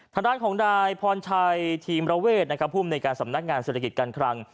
ทางด้านของนายพรชัยทีมระเวทนะครับภูมิในการสำนักงานเศรษฐกิจการคลัง